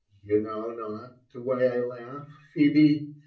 You know not why I laugh, Phebe?